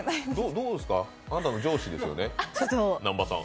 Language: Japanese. どうですか、あなたの上司ですよね、南波さん。